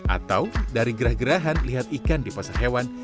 atau dari gerah gerahan melihat ikan di pasar hewan